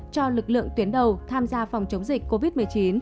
cho lực lượng tuyến đầu tham gia phòng chống dịch covid một mươi chín